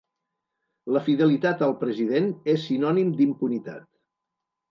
La fidelitat al president és sinònim d’impunitat.